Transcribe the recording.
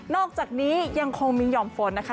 อกจากนี้ยังคงมีห่อมฝนนะคะ